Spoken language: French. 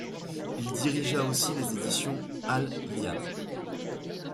Il dirigea aussi les Éditions Al Liamm.